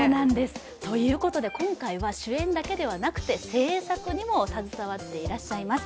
ということで今回は主演だけではなくて、製作にも携わっていらっしゃいます。